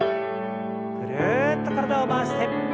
ぐるっと体を回して。